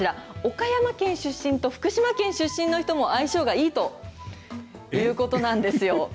岡山県出身と福島県出身の人も相性がいいということなんですよ。